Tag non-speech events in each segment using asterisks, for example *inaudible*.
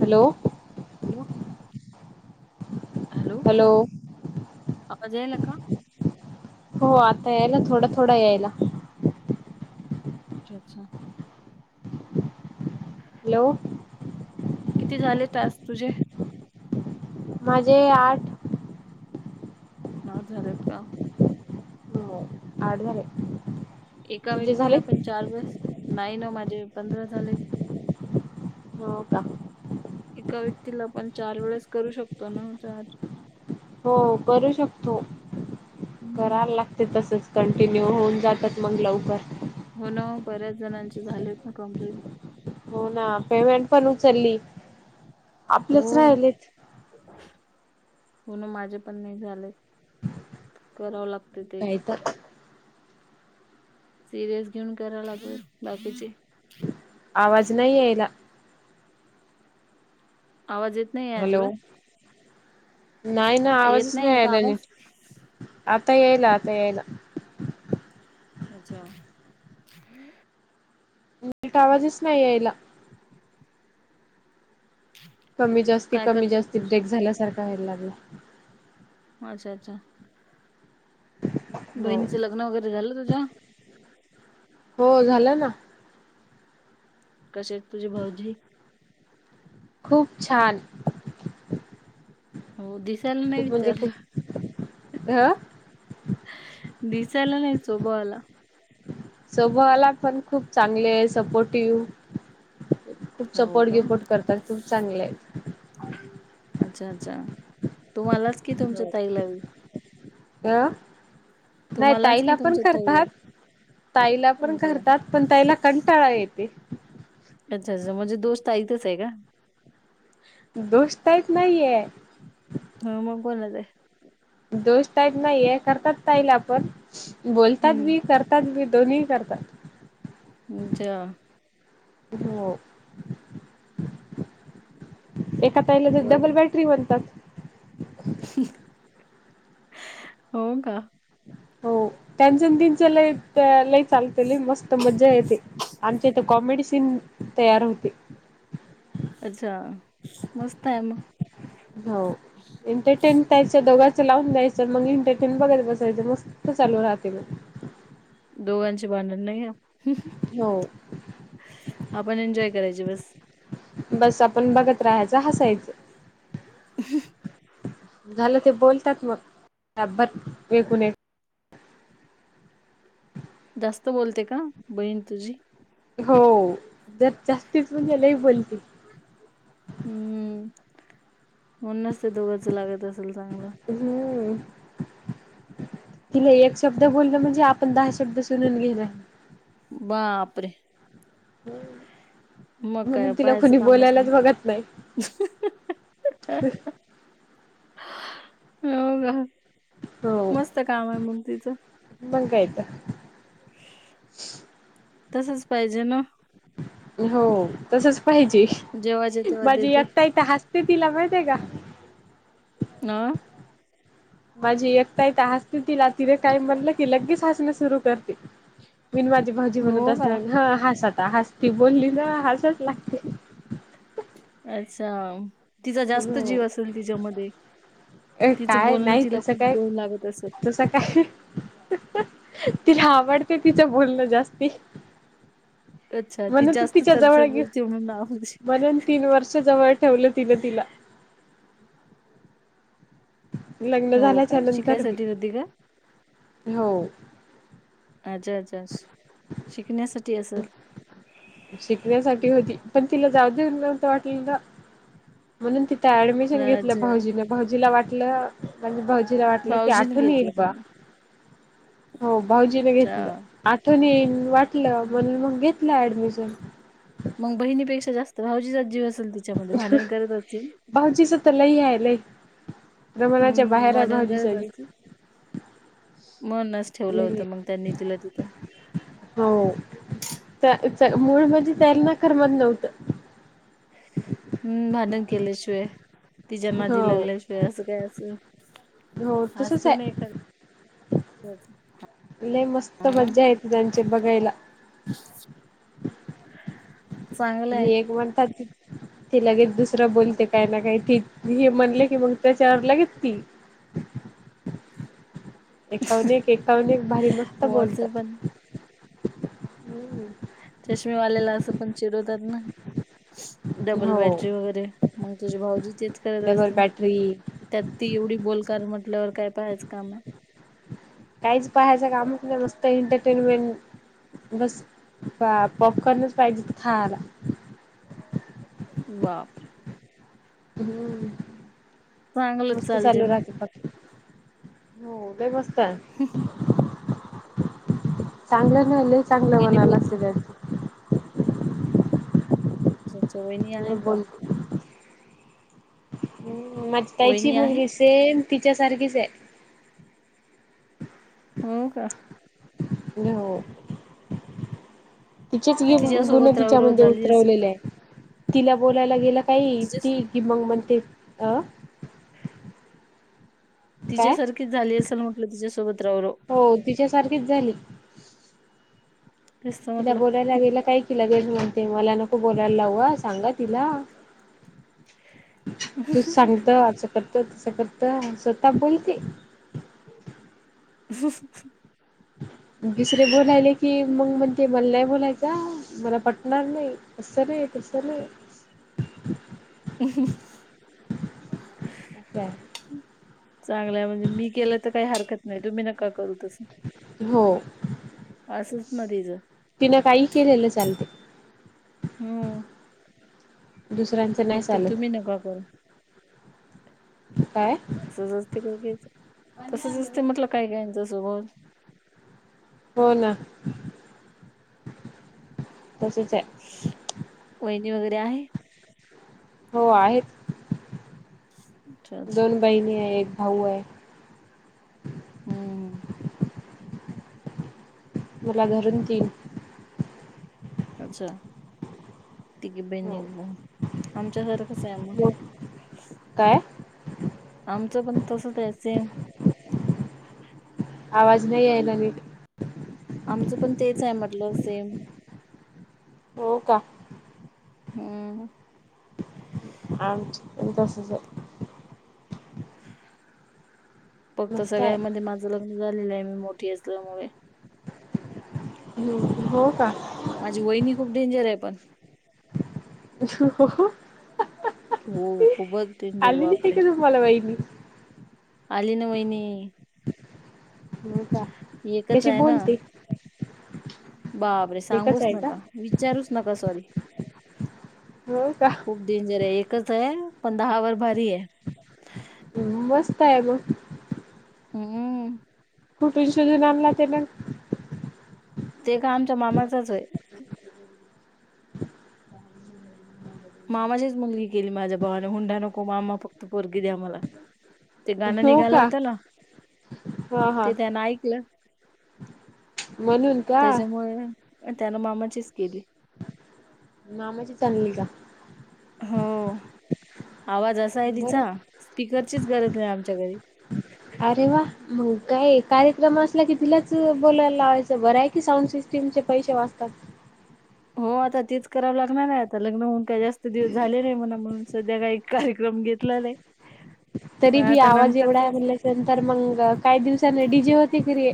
Hello. Hello hello आवाज यायला का? हो आता यायला थोडा थोडा यायला. *inaudible* हॅलो. किती झाले टास्क तुझे? माझे आठ. नऊ झालेत का? हो आठ झालेत. एका व्यक्तीला आपण चार बस नाही ना माझे पंधरा झालेत. हो का? एका व्यक्तीला आपण चार वेळेस करू शकतो ना? चार हो करू शकतो हम्म. कराल लागते तसेच. कंटिन्यू होऊन जातात मग लवकर. हो ना बऱ्याच जणांचे झालेत ना कम्प्लीट. हो ना पेमेंट पण उचलली. आपलेच हो. राहिलेत हो न माझे पण नाही झाले करावं लागत कायतर. सिरियस घेऊन कराव लागेल बाकीचे. आवाज नाही यायला. आवाज येत नाहीय हॅलो अजिबात? नाही ना येत आवाजच नाही आहे का यायला आवाज नीट आता यायला आता यायला. अच्छा. नीट आवाजच नाही यायला. कमी जास्ती काय कमी करते जास्ती तुझ ब्रेक झाल्यासारखा व्हायला लागला. माझा अच्छा. हो बहिणीचं लग्न वगैरे झालं तुझ्या? हो झालं ना. कसे आहेत तुझे भाऊजी? खूप छान. हो दिसायला नाही खूप म्हणजे विचारलं खूप हा दिसायला नाही स्वभावाला. स्वभावाला पण खूप चांगली आहे सपोर्टिव्ह, खूप हो सपोर्ट का गिपोट करतात खूप चांगले आहेत. अच्छा अच्छा तुम्हालाच कि तुमच्या हो. ताईलाबी? अ. नाही तुम्हालाच की ताईला पण तुमच्या ताईला करतात ताईला पण अच्छा करतात. पण ताईला कंटाळा येते. अच्छा अच्छा म्हणजे दोष ताईतच आहे का? दोष ताईत नाहीये. हा मग कोणाच आहे दोष ताईत नाही ये करतात ताईला पण बोलतात बी हम्म करत तात बी दोन्ही करतात. अच्छा हो एका ताईला तर डबल बरं बॅटरी म्हणतात. हो का. हो.. त्यांचं नी तीनच लई लई चालते लई मस्त मजा येते, आमच्या इथे कॉमेडी सीन तयार होते. अच्छा मस्त आहे मग हो एंटरटेंट त्याच दोघांचं लावून द्यायचं मग एंटरटेंट बघत बसायचं, मस्त चालू राहते मग. दोघांची भांडण नाही या हो आपण एन्जॉय करायचे बस बस आपण बघत राहायचं हसायचं. ह झालं ते बोलतात मग *unintelligible* जास्त बोलते का? बहीण तुझी, हो.. जर जास्तीच म्हणजे लई बोलते. हम्म. म्हणूनच ते दोघांच लागत असल चांगलं हम्म तिला एक शब्द बोलल म्हणजे आपण दहा शब्द सुणून घेनार बापरे! मग हम्म काय म्हणून तिला पाहायचं कोणी कामच नाही बोलायलाच बघत नाही. हम्म.. हो मस्त काम आहे मग तिचं मग काय तर तसच पाहिजे ना, हो तसच पाहिजे. जेव्हाच्या तेव्हा माझी देते एक ताई तर, हसते तिला माहिती आहे का न आ माझी एक ताई तर हसते तिला तिने काही म्हणलं की लगेच हसणं सुरू करते. मी आणि माझी भाची म्हणत हो का असता ह हास आता हास ती बोलली ना हासच लागते. अच्छा तिचा जास्त हो जीव असेल तिच्यामध्ये ए तिचं बोलणं तिला खूप गोड लागत असल. आता काय तिला आवडते तिच्या बोलणं जास्ती. अच्छा ती म्हण त जास्त तिच्या चरचर जवळेऊ बोलते म्हणून आवडते म्हण तीन वर्ष जवळ ठेवलं तिन तिला लग्न हो झाल्याच्या का नंतर शिकायसाठी होती का हो अच्छा अच्ा शिकण्यासाठी असेल शिकण्यासाठी होती पण तिला जाऊ देऊन नवत वाटल ना म्हणून तिथं ऍडमिशन घेतलं अच्छा भाऊजीन भाऊजीला वाटलं म्हजे भाऊजीला वाटलं की भाऊजीने आठवून येईल घेतलं का बा हो भाऊजीने अच्छा घेतलं आठवणी येई वाटलं म्हण हम्म. मग घेतलं ऍडमिशन मग बहिणीपेक्षा जास्त भावजीचा जीव आसन बाऊजीस तर लई आहे ल प्रमाणाच्या हम्म बाहेर आहे भांडण भाऊजींचा पण मणच ठेवलं लई होतं मग त्यांनी तुला तिथं हो त्या मूळ म्हणजे त्यालाना करमत नव्हत हम्म भडनं केल्याशिवाय तिच्या माधी हो लागल्याशिय ते असं काय असं हो तसच असते नाही आहे एखर. *inaudible* मस्त मज्जा येत त्यांचे बघायला. चांगलंय हग म्हण. त *unintelligible* ते लगेच दुसरा बोलते काय ना काही ते हे म्हणले की मग त्याच्यावर लगेच ती. *inaudible* एकाहून एक एकाहून एक भारी मस्त हो असे बोलतात पण हम्. चष्मीेवालेला असं पण चिरवतात ना. डबल हो बॅटरी वगैरे मग तुझे भाऊजी तेच करत डबल असतील. बॅटरी त्यात ती एवढी बोलकार म्हटल्यावर काय पाहायचं काम आहे. काहीच पाहायचं कामात नाही मस्त एंटरटेनमेंट. बस पॉपकॉर्नच पाहिजे खायला बापरे हम्म चांगलंच मस्त चालते चालू मग राहत हो काय मस्त आ. हे चांगलं नाहीले चांगलं वहिणी म्हना लागत बोलते त्या. चोय नाही लय आहेय का? बोलते. हम् माझी ताईची वहिणी आहे मुलगी सेम तिच्या सारखीच आहे. हो का? नाही हो. तिचेच ती गुण तिच्यासोबत रावराव तिच्यामध्ये झाली असेल उतरवलेले आहे. तिला बोलायला गेलं काही तिच्या ती की मग म्हणते अ. काय? तिच्यासारखीच झाली असेल म्हटलं तिच्यासोबत राव र. हो तिच्या सारखीच झाली तेच तर तिला म्हटलं बोलायला गेला काही. तिला गेल म्हणते मला नको बोलायला लाववा सांगा तिला. तू सांगत असं करत तसं करत स्वतः बोलते. *inaudible* दुसरे बोलायले की मग म्हण ते मला नाही बोलायचं मला पटणार नाही. असं नाही तसं नाही. ह असं आहे *inaudible* चांगलं म्हणजे मी केलं तर काही हरकत नाही तुम्ही नका करू. हो. असंच ना तिच. तिनं काहीही केलेलं चालते हम्म दुसऱ्यां. फक्त तुम्ही नका करू. काय. तसंच असते काय कायचं तसंच असते म्हटलं काय कायंच स्वभाव. हो ना तसच आहे. वहिणी वगैरे आहे. हो आहेत अच्छा अच्छा दोन बहिणी आहे एक भाऊ आहे. हम्म हम. मला धरून तीन. अच्छा तिघी बहीणी हो एक भाऊ आमच्या सारखच आहे मग. काय. आमचं पण तसच आहे सेम. आवाज नाही यायला नीट. आमचं पण तेच आहे म्हटलं सेम. हो का. हम्. आमच पण तसच हाय. फक्त मस्त आहे सगळ्यामध्ये माझं लग्न झालेलं आहे मी मोठी असल्यामुळे. हो का. माझी वहिणी खूप डेंजर आहे पण. हो. हो खूपच. डेंजर आलेली आहे बापरे का तुम्हाला वहिनी. आली ना वहिनी. हो का? एकच कशी आहे ना बोलते बापरे एकच सांगूस आहे का नका? विचारूच नका सॉरी. हो का? खूप डेंजर आहे एकच आहे पण दहा वर भारी आहे. मस्त आहे मग. हम्. कुटून शोधून आणला ते पण. ते का आमच्या मामाचच आहे. मामाचीच मुलगी केली माझ्या भावाने हुंडा नको मामा. त पोरगी द्या मला ते गाणं हो निघालं का होतं ना. हा हा ते त्यांन ऐकलं. म्हणून का? त्याच्यामुळे त्यानं मामाचीच केली. मामाचीच आणली का? हो आवाज असा आहे बर तिचा स्पीकरचीच गरज नाही आमच्या घरी. अरे वा. मग काय कार्यक्रम असला की तिलाच बोलायला लावायचं बरं आहे की साऊंड सिस्टीमचे पैसे वाचतात. हो आता तेच करावं लागणार आहे आता लग्न होऊन काय जास्त. दिवस झाले नाही म्हणा म्हणून सध्या काही कार्यक्रम घेतला नाही. मग तरी बी आता आवाज नंतर एवढा आहे तेच म्हल्या नंतर मग काही दिवसाने डी जे होते घरी.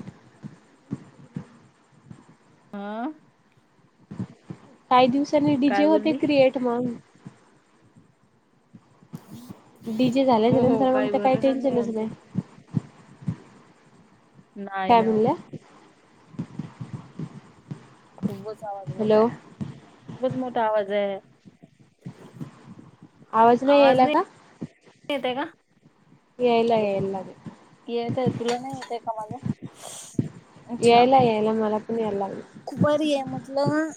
आ काही दिवसांनी डीजे काय होते बोलली क्रिएट मग डीजे झाल्याच्या हो हो नंतर मग काही तर भरोसाच नाही टेन्शनच आमचा नाही काय ना. म्हणल्या? खूपच आवाज मोठा हॅलो आहे. खूप मोठा आवाज आहे. आवाज नाही येत आहे का? यायला हॅलो, यायला लागला. येतोय तुला नाही येतय का माझा अच्छा यायला, यायला मला पण यायलाय बरी हाय म्हटलं,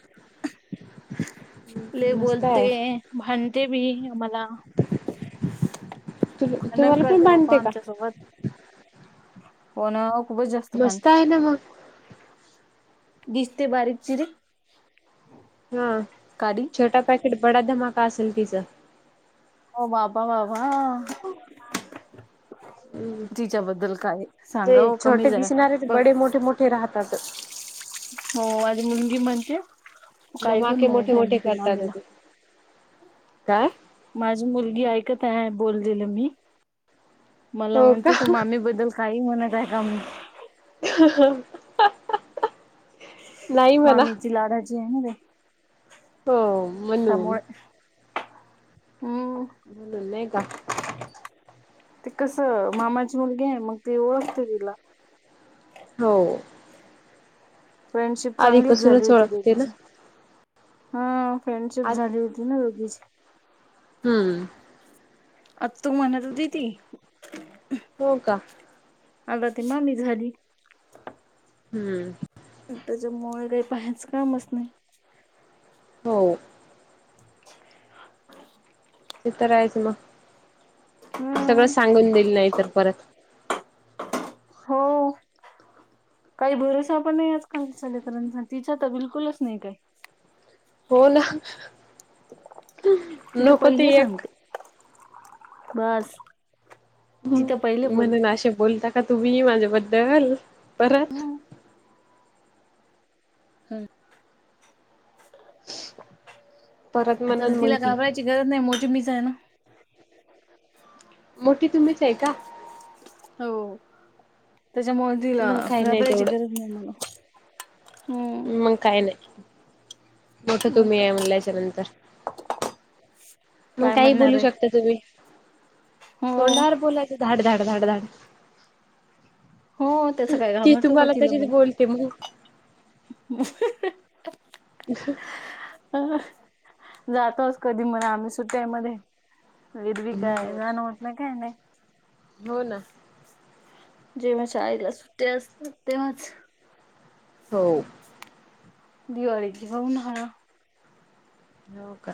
लई मस्त बोलते. आहे. भांडते बी आम्हाला तु हनन तुम्हाला पण करते बापा बांधते का? आमच्या सोबत. पणं खूपच जास्त मस्त खांते. आहे ना मग. दिसते बारीक चिरी हा काडी छोटा पॅकेट बडा धमाका असेल तिचा हो बाबा-बाबा हम्म. तिच्याबद्दल काय सांगव ते छोटे कमीच हाय दिसणारे ते बडे मोठे मोठे राहतात. हो आणि मुलगी म्हणते काही पण धमाके मोठे मोठे म्हणते करतात मामीला ते. काय माझी मुलगी ऐकत आहे बोललेलं मी मला हो का? म्हणते तू मामी बद्दल काही म्हणत आहे का अनइंटेलिजबल ममी ची लाडाची आहे ना लई हो म्हणून. त्यामुळे हम. बोलय का ते कस मामाची मुलगी आहे मग ती ओळखते तिला हो फ्रेंडशिप चांगलीच झाली आधीपासूनच होती ओळखते ना दोघींची हा फ्रेंडशिप आज झाली होती ना दोघीची हम्म आत्तू म्हणत होती ती हो का आता ती मामी झाली हम्म त्याच्यामुळे काही पाहायचं कामच नाही हो ते तर हायचं ना हम्म सगळ सांगून दिली नाही तर परत हो काही भरोसा पण नाही आजकालच्या लेकरांचा तिचा तर बिलकुलच नाही काय हो ना. तिथं नको पहिले ते एक सांगते बस तिथं पहिले म्हणून बोलते असे बोलता का तुम्ही माझ्याबद्दल परत हम परत आता तर म्हणून मग तिला ती घाबरायची गरज नाही मोठी मीच आहे ना मोठी तुम्हीच आहे का? हो त्याच्यामुळं तिला मग काय नाही घाबरायची गरज तेवढं नाही मला हम्म मग काय नाही मोठं मग तुम्ही आहे काय म्हणल्याच्या नंतर मग काय काही म्हणणार बोलू आहे शकता तुम्ही हो तोंडावर बोलायच धाड धाड धाड धाड हो त्याच काय ती घाबरतो का तुम्हाला तिला तशी बोलते मग *unintelligible* ह *unintelligible* जातोच कधी म्हणे आम्ही सुट्याय मध्ये विरवी काय हो जान होत नाही काय नाही. हो ना जेव्हा शाळेला सुट्ट्या असतात तेव्हाच हो दिवाळीत हो ना हो का